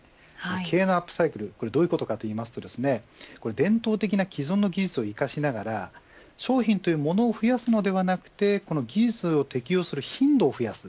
経営のアップサイクルはどういうことかというと伝統的な既存の技術を生かしながら商品というものを増やすのではなく技術を適用する頻度を増やす